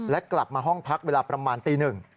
และกลับมาห้องพักเวลาประมาณตีหนึ่ง